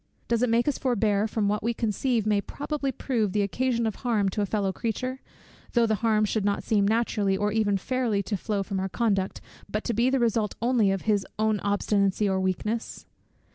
Does it make us forbear from what we conceive may probably prove the occasion of harm to a fellow creature; though the harm should not seem naturally or even fairly to flow from our conduct, but to be the result only of his own obstinacy or weakness?